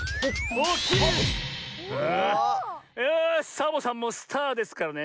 サボさんもスターですからね